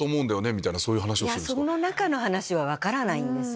その中の話は分からないんですよ。